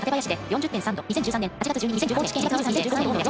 ２０１３年８月１２日高知県。